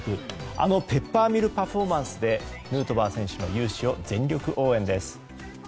あのペッパーミルパフォーマンスでヌートバー選手の雄姿を全力応援です。